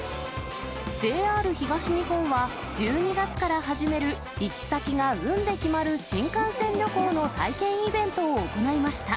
ＪＲ東日本は、１２月から始める、行き先が運で決まる新幹線旅行の体験イベントを行いました。